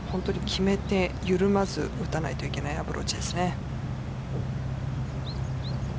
決めて緩まず打たないといけないアプローチです。